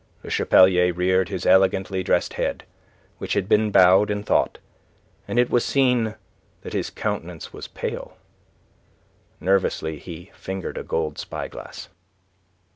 Le Chapelier reared his elegantly dressed head, which had been bowed in thought, and it was seen that his countenance was pale. Nervously he fingered a gold spy glass.